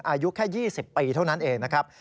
อายุแค่๒๐ปีเท่านั้นเองนะครับ